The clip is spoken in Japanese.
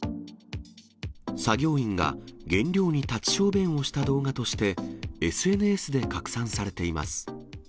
作業員が原料に立ち小便をした動画として、ＳＮＳで拡散されています。